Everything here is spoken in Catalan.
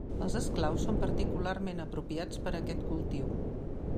Els esclaus són particularment apropiats per a aquest cultiu.